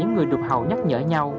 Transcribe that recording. và những người đục hầu nhắc nhở nhau